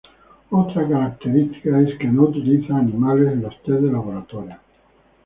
Otra característica es que no utiliza animales en los test de laboratorio.